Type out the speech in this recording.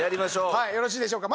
はいよろしいでしょうか？